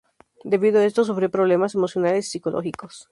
Debido a esto sufrió problemas emocionales y psicológicos.